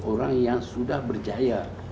orang yang sudah berjaya